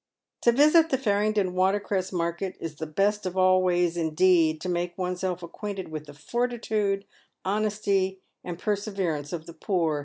To visit the Parringdon water cress market is the best of all ways indeed to make oneself acquainted, with the fortitude, honesty, and perseverance of the poor.